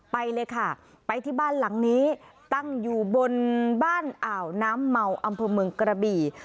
ไปเลยค่ะไปที่บ้านหลังนี้ตั้งอยู่บนบ้านอ่าวน้ำเมาอำเภอเมืองกระบี่